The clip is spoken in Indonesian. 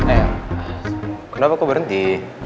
eh kenapa kau berhenti